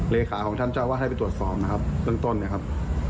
เลขาของท่านเจ้าว่าให้ไปตรวจสอบนะครับเบื้องต้นเนี่ยครับ